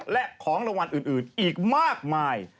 และของรางวัลอื่นอีกมากมาย